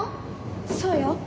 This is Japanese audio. そうよ。